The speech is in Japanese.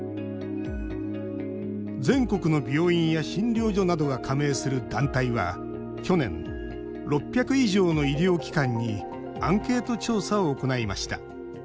全国の病院や診療所などが加盟する団体は去年、６００以上の医療機関にアンケート調査を行いました。